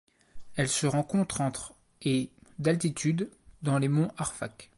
Elle se rencontre entre et d'altitude dans les monts Arfak.